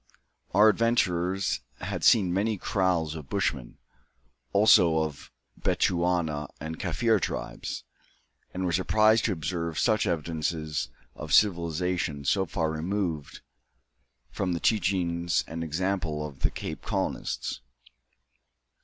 Our adventurers had seen many kraals of Bushmen, also of Bechuana and Kaffir tribes, and were surprised to observe such evidences of civilisation so far removed from the teachings and example of the Cape Colonists.